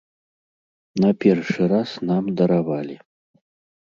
На першы раз нам даравалі.